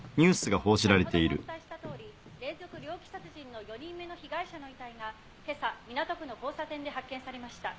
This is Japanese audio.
先ほどもお伝えしたとおり連続猟奇殺人の４人目の被害者の遺体が今朝港区の交差点で発見されました。